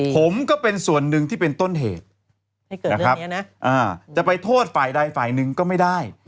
ผมก็เป็นส่วนหนึ่งที่เป็นต้นเหตุจะไปโทษฝ่ายใดฝ่ายหนึ่งก็ไม่ได้